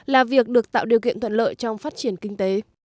là việc được tạo điều kiện thuận lợi trong phát triển kinh tế